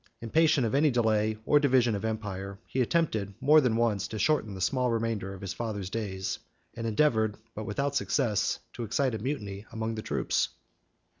Impatient of any delay or division of empire, he attempted, more than once, to shorten the small remainder of his father's days, and endeavored, but without success, to excite a mutiny among the troops.